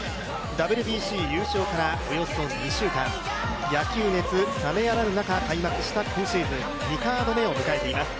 ＷＢＣ優勝からおよそ２週間、野球熱覚めやらぬ中開幕した今シーズン２カード目を迎えています。